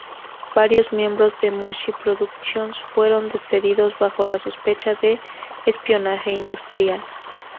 Varios miembros de Mushi Productions fueron despedidos bajo la sospecha de espionaje industrial.